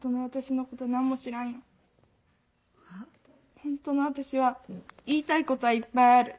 「本当の私は言いたいことはいっぱいある。